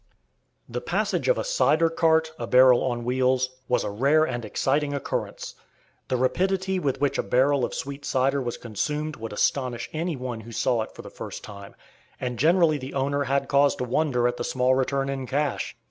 The passage of a cider cart (a barrel on wheels) was a rare and exciting occurrence. The rapidity with which a barrel of sweet cider was consumed would astonish any one who saw it for the first time, and generally the owner had cause to wonder at the small return in cash.